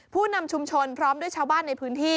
ผู้นำชุมชนพร้อมด้วยชาวบ้านในพื้นที่